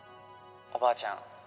おばあちゃん